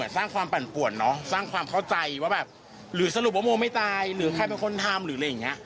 ถ้าข้อความนั้นเป็นเรื่องจริง